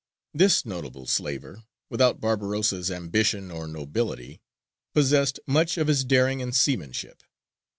This notable slaver, without Barbarossa's ambition or nobility, possessed much of his daring and seamanship.